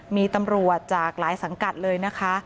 มีตำรวจจากหลายสังกัดเลยนะคะ